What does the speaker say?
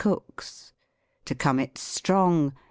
Cooks. To come it strong.